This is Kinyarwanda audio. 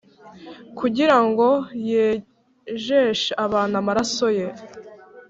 “kugira ngo yejeshe abantu amaraso ye,”